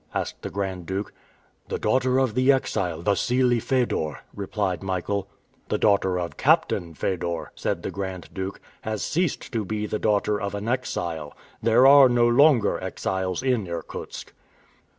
asked the Grand Duke. "The daughter of the exile, Wassili Fedor," replied Michael. "The daughter of Captain Fedor," said the Grand Duke, "has ceased to be the daughter of an exile. There are no longer exiles in Irkutsk."